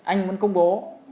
anh muốn công bố